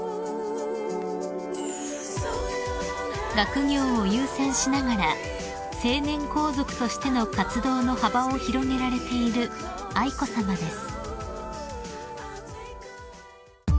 ［学業を優先しながら成年皇族としての活動の幅を広げられている愛子さまです］